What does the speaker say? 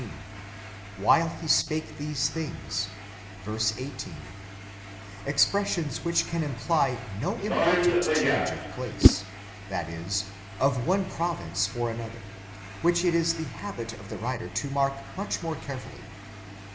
18), while he spake these things ; expressions which can imply no impor tant change of place, that is, of one province for another, which it is the habit of the writer to mark much more carefully.